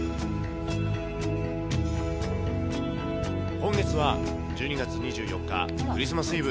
今月は１２月２４日クリスマス・イブ。